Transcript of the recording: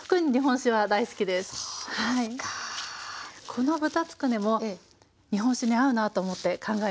この豚つくねも日本酒に合うなと思って考えました。